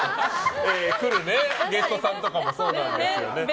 来るゲストさんとかもそうなんですよね。